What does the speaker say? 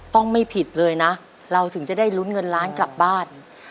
ต้องไม่ผิดเลยนะเราถึงจะได้ลุ้นเงินล้านกลับบ้าน